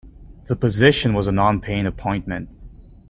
The position was a non-paying appointment.